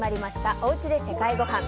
おうちで世界ごはん。